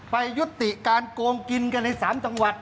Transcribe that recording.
ยุติการโกงกินกันใน๓จังหวัด